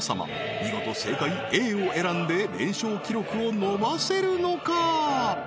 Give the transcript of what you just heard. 見事正解Ａを選んで連勝記録を伸ばせるのか？